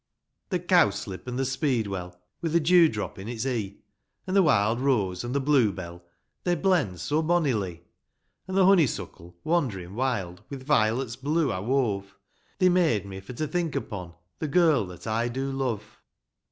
IV. The cowslip, and the speedwell, With a dewdrop in its e'e, — An' the wild rose, an' the bluebell, They blend so bonnilie ; An' the honey suckle, wand'rin' wilcL, With violets blue, I wove ; They made me for to think upon The girl that I do love.